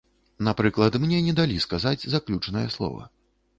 Напрыклад, мне не далі сказаць заключнае слова.